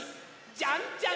「じゃんじゃん！